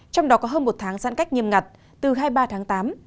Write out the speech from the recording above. trong đó có hơn một tháng giãn cách nghiêm ngặt từ hai mươi ba tháng tám